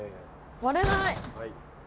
割れない。